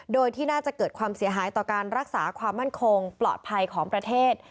โดยที่น่าจะเกิดความเสียหายต่อการรักษาความมั่นคงปลอดภัยของประเทศ